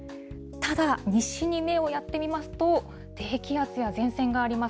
ただ、西に目をやってみますと、低気圧や前線があります。